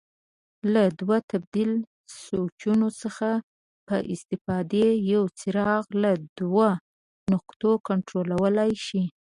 له دوو تبدیل سویچونو څخه په استفاده یو څراغ له دوو نقطو کنټرولولای شي.